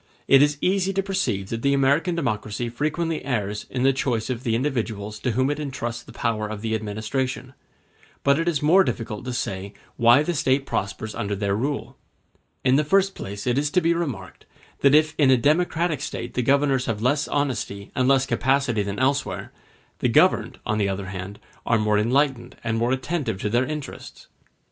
It is easy to perceive that the American democracy frequently errs in the choice of the individuals to whom it entrusts the power of the administration; but it is more difficult to say why the State prospers under their rule. In the first place it is to be remarked, that if in a democratic State the governors have less honesty and less capacity than elsewhere, the governed, on the other hand, are more enlightened and more attentive to their interests.